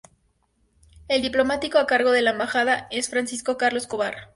El diplomático a cargo de la embajada es Francisco Carlo Escobar.